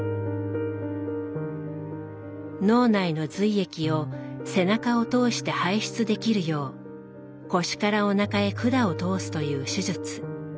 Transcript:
脳内の髄液を背中を通して排出できるよう腰からおなかへ管を通すという手術。